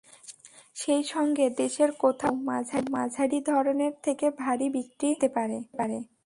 সেই সঙ্গে দেশের কোথাও কোথাও মাঝারি ধরনের থেকে ভারী বৃষ্টি হতে পারে।